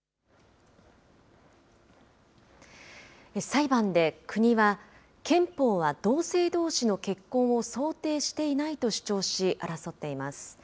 裁判で国は、憲法は同性どうしの結婚を想定していないと主張し、争っています。